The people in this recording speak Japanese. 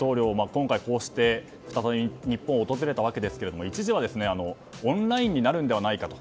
今回、こうして再び日本を訪れたわけですけれども一時はオンラインになるのではないかと。